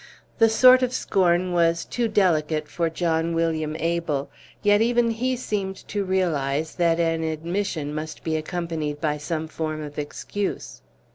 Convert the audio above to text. The sort of scorn was too delicate for John William Abel, yet even he seemed to realize that an admission must be accompanied by some form of excuse.